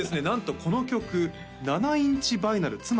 なんとこの曲７インチバイナル